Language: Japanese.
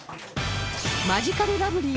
マヂカルラブリー